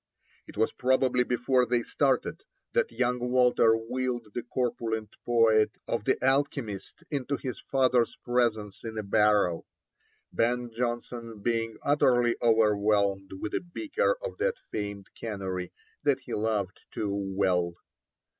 It was probably before they started that young Walter wheeled the corpulent poet of the Alchemist into his father's presence in a barrow, Ben Jonson being utterly overwhelmed with a beaker of that famed canary that he loved too well.